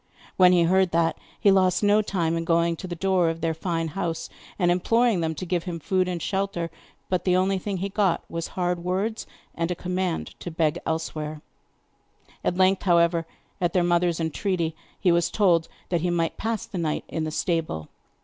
When he heard that, he lost no time in going to the door of their fine house and imploring them to give him food and shelter; but the only thing he got was hard words, and a command to beg elsewhere. At length, however, at their mother's entreaty, he was told that he might pass the night in the stable.